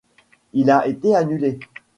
Il a été annulé.